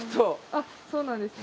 あっそうなんですね。